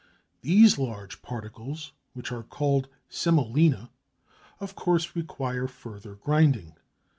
These large particles, which are called semolina, of course require further grinding.